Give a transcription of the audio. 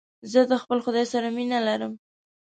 زه د خپل خداى سره مينه لرم.